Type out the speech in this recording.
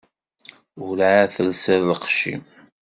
Ur εad telsiḍ lqecc-im?